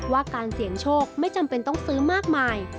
ว่าการเสี่ยงโชคไม่จำเป็นต้องซื้อมากมาย